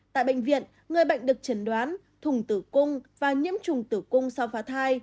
tại bệnh viện người bệnh được chẩn đoán thùng tử cung và nhiễm trùng tử cung sau phá thai